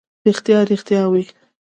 ریښتیا، ریښتیا وي.